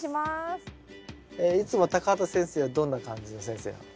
いつも畑先生はどんな感じの先生なの？